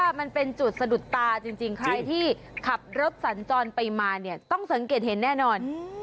มันเป็นจุดสะดุดตาจริงใครที่ขับรถสัญจรไปมาเนี่ยต้องสังเกตเห็นแน่นอน